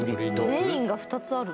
メインが２つある。